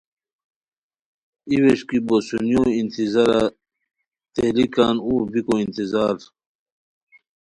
ای ووݰکی بوسونیو انتظارا تیلی کان اوغ پیکو انتظار